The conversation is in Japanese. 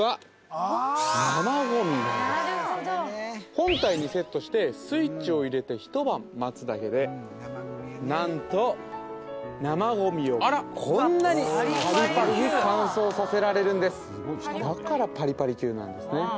本体にセットしてスイッチを入れて一晩待つだけで何と生ゴミをこんなにさせられるんですなんですね